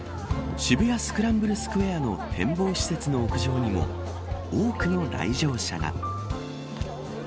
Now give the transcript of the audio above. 渋谷スクランブルスクエアの展望施設の屋上にも多くの来場者が。